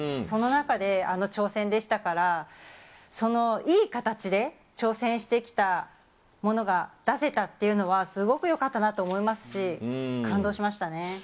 その中であの挑戦でしたから、そのいい形で挑戦してきたものが出せたっていうのはすごくよかったなと思いますし、感動しましたね。